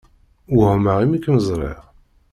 Wehmeɣ imi kem-ẓṛiɣ.